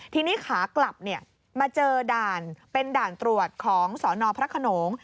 ทีนี้ขากลับมาเจอด่านเป็นด่านตรวจของสนพระขนง